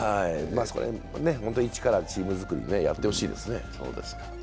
その辺、一からチーム作りをやってほしいですね。